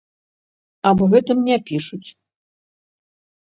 Аб гэтым не пішуць.